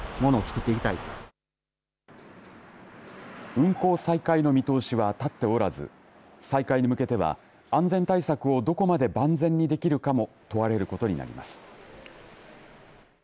運航再開の見通しは立っておらず再開に向けては安全対策をどこまで万全にできるかも問われることになります。